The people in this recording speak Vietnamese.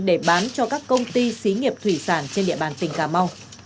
để bán cho các công ty xí nghiệp thủy sản trên địa bàn tỉnh cà mau